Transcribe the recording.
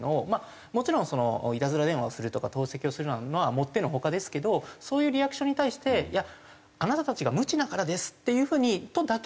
もちろんいたずら電話をするとか投石するのはまあもっての外ですけどそういうリアクションに対して「あなたたちが無知だからです」っていう風にとだけは言えない。